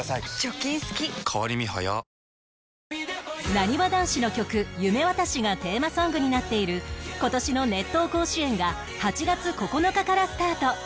なにわ男子の曲『夢わたし』がテーマソングになっている今年の『熱闘甲子園』が８月９日からスタート